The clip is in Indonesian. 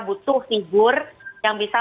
butuh figur yang bisa